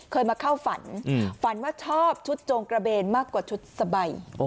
เคยมาเข้าฝันฝันว่าชอบชุดจงกระเบนมากกว่าชุดสบาย